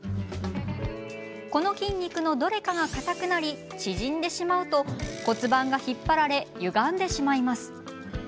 この筋肉のどれかが硬くなり縮んでしまうと骨盤が引っ張られゆがんでしまいます。